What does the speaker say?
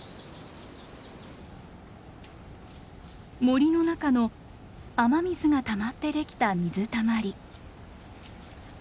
森の中の雨水がたまってできた水たまり。